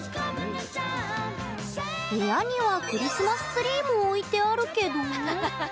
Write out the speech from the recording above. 部屋には、クリスマスツリーも置いてあるけど？